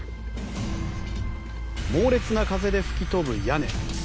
猛烈な風で吹き飛ぶ屋根。